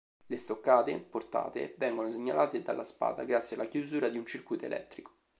Le stoccate portate vengono segnalate dalla spada grazie alla chiusura di un circuito elettrico.